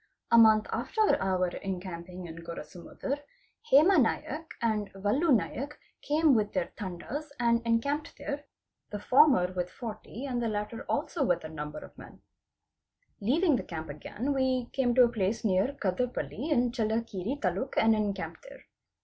A month after our encamping in Gorasa muddar, Hema Naik and Valu Naik came with their Tandas and encampe d there, the former with 40 and the latter also with that number of me Leaving the camp again, we came to a place near Kadarpalli in Chelli kere Taluk and encamped there.